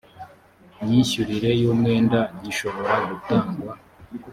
myishyurire y umwenda gishobora gutangwa